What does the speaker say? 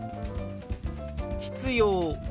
「必要」。